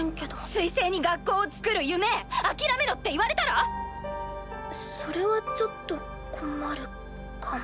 水星に学校をつくる夢諦めろって言われたら⁉それはちょっと困るかも。